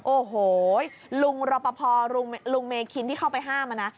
โอ้โหลุงรปภลุงเมคินที่เข้าไปห้ามนะ